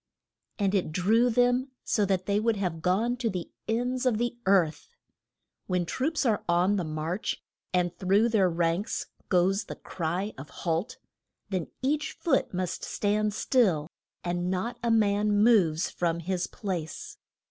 And it drew them so that they would have gone to the ends of the earth. When troops are on the march, and through their ranks goes the cry of Halt! then each foot must stand still, and not a man moves from his place.